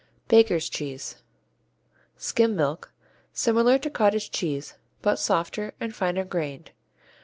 Bakers' cheese Skim milk, similar to cottage cheese, but softer and finer grained.